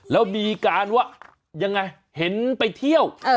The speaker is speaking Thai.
แล้วมีการว่ายังไงเห็นไปเที่ยว